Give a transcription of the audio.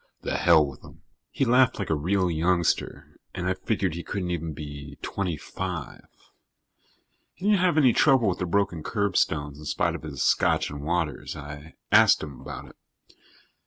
The hell with them." He laughed like a real youngster and I figured he couldn't even be twenty five. He didn't have any trouble with the broken curbstones in spite of his scotch and waters. I asked him about it.